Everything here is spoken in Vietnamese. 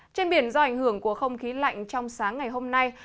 trên biển do ảnh hưởng của không khí lạnh trong sáng ngày hôm nay